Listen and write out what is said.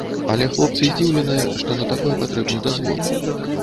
Але хлопцы здзіўленыя, што на такое патрэбны дазвол.